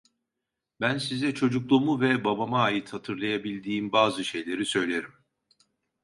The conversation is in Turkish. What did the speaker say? Ben size çocukluğumu ve babama ait hatırlayabildiğim bazı şeyleri söylerim.